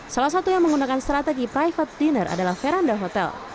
salah satu yang menggunakan strategi private dinner adalah veranda hotel